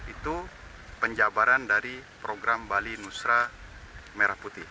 itu penjabaran dari program bali nusra merah putih